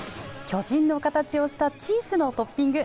巨人の形をしたチーズのトッピング。